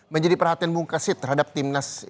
menjadi perhatian bung kasit terhadap tim nasional